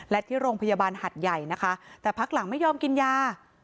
และที่โรงพยาบาลหัดใหญ่นะคะแต่พักหลังไม่ยอมกินยา